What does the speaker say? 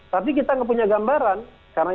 tapi kita nggak punya gambaran karena